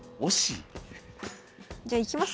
じゃあいきます